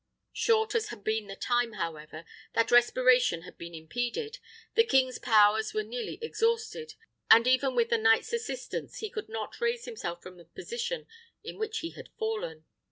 Short as had been the time, however, that respiration had been impeded, the king's powers were nearly exhausted, and even with the knight's assistance he could not raise himself from the position in which he had fallen.